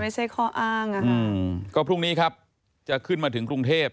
ไม่ใช่ข้ออ้างอ่ะอืมก็พรุ่งนี้ครับจะขึ้นมาถึงกรุงเทพ